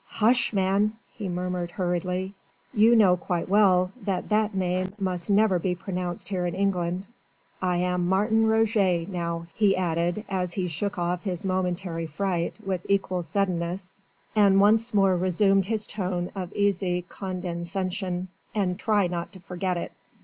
"Hush, man!" he murmured hurriedly, "you know quite well that that name must never be pronounced here in England. I am Martin Roget now," he added, as he shook off his momentary fright with equal suddenness, and once more resumed his tone of easy condescension, "and try not to forget it."